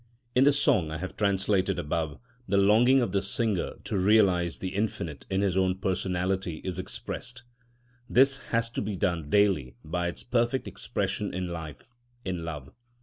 In the song I have translated above, the longing of the singer to realise the infinite in his own personality is expressed. This has to be done daily by its perfect expression in life, in love.